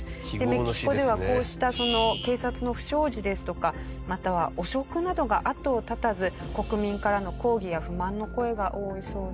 メキシコではこうした警察の不祥事ですとかまたは汚職などがあとを絶たず国民からの抗議や不満の声が多いそうです。